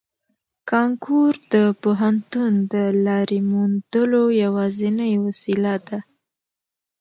کانکور د پوهنتون د لارې موندلو یوازینۍ وسیله ده